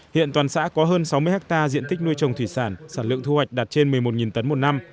hiện toàn xã có hơn sáu mươi hectare diện tích nuôi trồng thủy sản sản lượng thu hoạch đạt trên một mươi một tấn một năm